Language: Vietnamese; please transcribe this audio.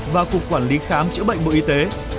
và cục quản lý khám chữa bệnh bộ y tế